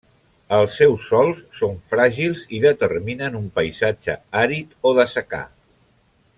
Els seus sòls són fràgils i determinen un paisatge àrid o de secà.